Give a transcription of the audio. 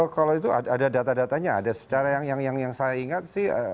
kalau itu ada data datanya ada secara yang saya ingat sih